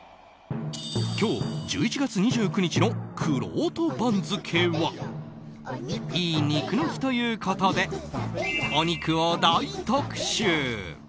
今日、１１月２９日のくろうと番付はいい肉の日ということでお肉を大特集！